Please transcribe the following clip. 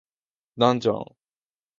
ダンジョン